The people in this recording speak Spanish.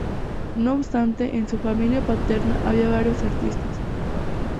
No obstante, en su familia paterna había varios artistas.